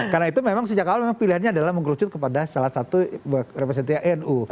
karena itu memang sejak awal memang pilihannya adalah mengurucut kepada salah satu representasi enu